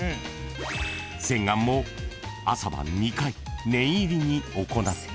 ［洗顔も朝晩２回念入りに行った］